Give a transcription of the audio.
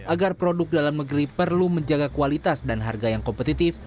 agar produk dalam negeri perlu menjaga kualitas dan harga yang kompetitif